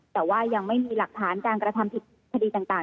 แต่ว่ายังไม่มีหลักฐานการกระทำผิดคดีต่าง